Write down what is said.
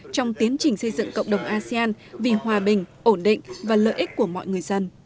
trong tiến trình xây dựng cộng đồng asean vì hòa bình ổn định và lợi ích của mọi người dân